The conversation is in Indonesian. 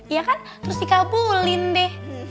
ya kan terus dikabulin deh